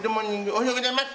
おはようございます。